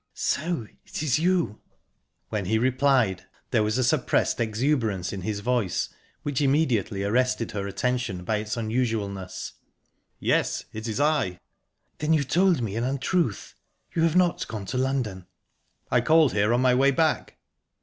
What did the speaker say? "So it is you!" When he replied, there was a suppressed exuberance in his voice which immediately arrested her attention by its unusualness. "Yes, it is I." "Then you told me an untruth? You have not gone to London?" "I called here on my way back."